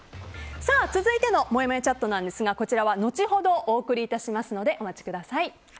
続いてのもやもやチャットですがこちらは後ほどお送りいたしますのでお待ちください。